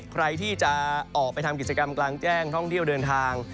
ใครที่จะออกไปทำกิจกรรมกลางแจ้งท่องเที่ยวเดินทาง